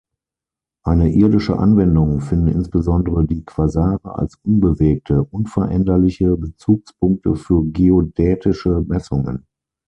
Eine irdische Anwendung finden insbesondere die Quasare als unbewegte, unveränderliche Bezugspunkte für geodätische Messungen.